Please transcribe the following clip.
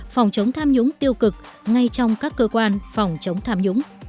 phòng chống tham nhũng tiêu cực ngay trong các cơ quan phòng chống tham nhũng